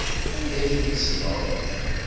Anda ay ten-tessneḍ?